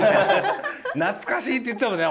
懐かしいって言ってたもんね